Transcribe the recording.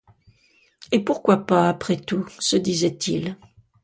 Et pourquoi pas, après tout? se disait-il.